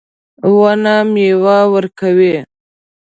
ونه میوه ورکوي